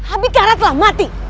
abikara telah mati